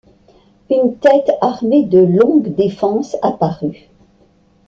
Une tête, armée de longues défenses, apparut.